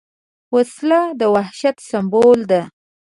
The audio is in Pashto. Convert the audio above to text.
وسله د وحشت سمبول ده